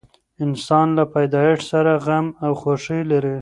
انسان له پیدایښت سره غم او خوښي لري.